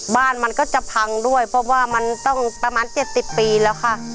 บ้านมันก็จะพังด้วยเพราะว่ามันต้องประมาณ๗๐ปีแล้วค่ะ